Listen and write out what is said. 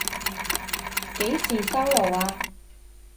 幾時收爐啊？